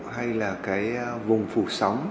hay là cái vùng phủ sóng